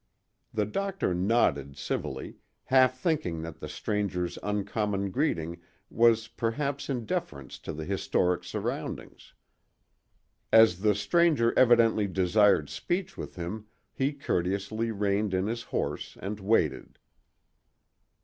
The doctor nodded civilly, half thinking that the stranger's uncommon greeting was perhaps in deference to the historic surroundings. As the stranger evidently desired speech with him he courteously reined in his horse and waited.